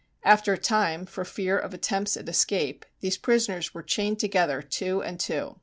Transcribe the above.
After a time, for fear of attempts at escape, these prisoners were chained together two and two.